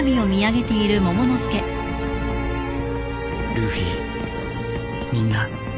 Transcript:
ルフィみんな